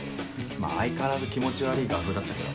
まぁ相変わらず気持ち悪ぃ画風だったけどな。